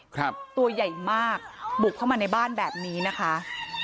ครับตัวใหญ่มากบุกเข้ามาในบ้านแบบนี้นะคะ